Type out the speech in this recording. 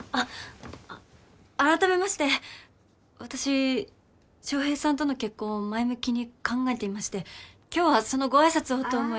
あっあらためまして私翔平さんとの結婚を前向きに考えていまして今日はそのご挨拶をと思い。